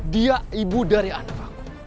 dia ibu dari anak